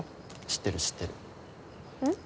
知ってる知ってる。